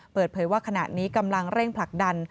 เปิดเผยว่าขณะนี้กำลังเร่งผลักดัน